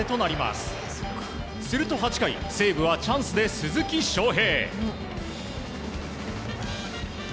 すると８回、西武はチャンスで鈴木将平。